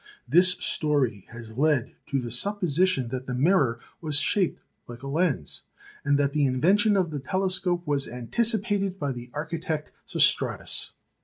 This story has led to the supposition that the mirror was shaped like a lens, and that the invention of the telescope was anticipated by the architect Sostra tus.